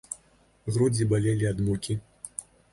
Грудзі балелі ад мукі.